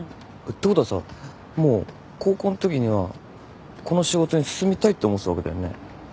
てことはさもう高校んときにはこの仕事に進みたいって思ってたわけだよね。